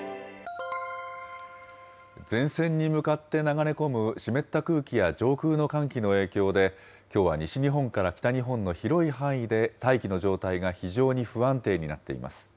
前線に向かって流れ込む湿った空気や上空の寒気の影響で、きょうは西日本から北日本の広い範囲で大気の状態が非常に不安定になっています。